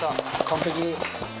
完璧。